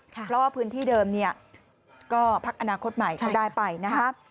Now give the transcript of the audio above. เพราะว่าพื้นที่เดิมเนี่ยก็พักอนาคตใหม่เขาได้ไปนะครับ